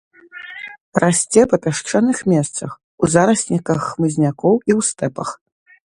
Расце па пясчаных месцах, у зарасніках хмызнякоў і ў стэпах.